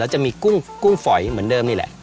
จะมีกุ้งฝอยเหมือนเดิมนี่แหละ